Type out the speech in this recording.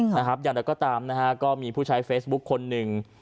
นี่หรออย่างนั้นก็ตามนะฮะก็มีผู้ชายเฟสบุ๊คคนหนึ่ง